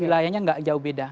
wilayahnya gak jauh beda